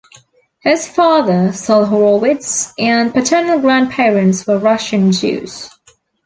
His father, Sol Horowitz, and paternal grandparents were Russian Jews.